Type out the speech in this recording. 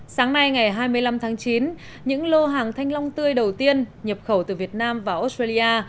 sáng nay ngày hai mươi năm tháng chín những lô hàng thanh long tươi đầu tiên nhập khẩu từ việt nam vào australia